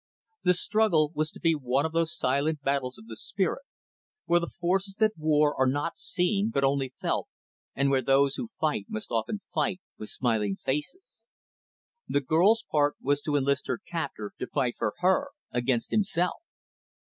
The struggle was to be one of those silent battles of the spirit, where the forces that war are not seen but only felt, and where those who fight must often fight with smiling faces. The girl's part was to enlist her captor to fight for her, against himself.